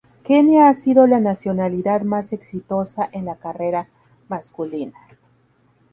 Kenia ha sido la nacionalidad más exitosa en la carrera masculina.